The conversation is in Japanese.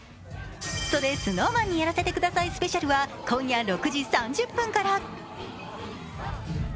「それＳｎｏｗＭａｎにやらせて下さいスペシャル」は今夜６時３０分から。